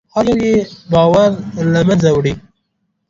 هر یو یې باور له منځه وړي.